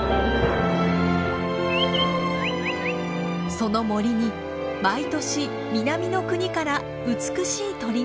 その森に毎年南の国から美しい鳥がやって来ます。